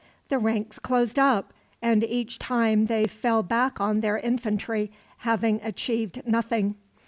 The ranks closed up, and each time they fell back on their infantry, having achieved nothing.